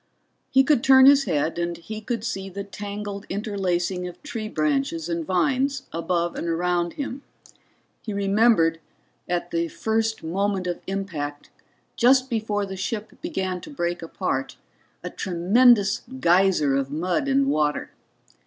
He could turn his head, and he could see the tangled interlacing of tree branches and vines above and around him. He remembered, at the first moment of impact, just before the ship began to break apart, a tremendous geyser of mud and water.